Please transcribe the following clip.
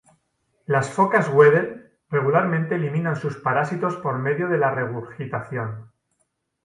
Las focas Weddell regularmente eliminan sus parásitos por medio de la regurgitación.